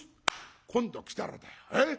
今度来たらだよ